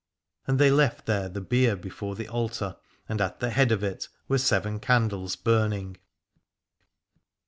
And they left there the bier before the altar, and at the head of it were seven candles burning.